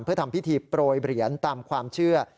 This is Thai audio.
เพื่อทำพิธีโปรยเหรียญตามความเชื่อ